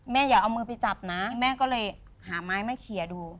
อย่าเอามือไปจับนะแม่ก็เลยหาไม้มาเคลียร์ดู